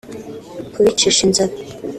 kubicisha inzara